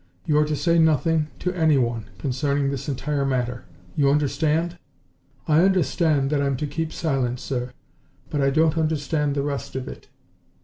You are to say nothing, to anyone, concerning this entire matter. You understand?" "I understand that I'm to keep silent, sir but I don't understand the rest of it."